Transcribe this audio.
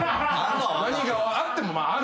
何があってもまあ。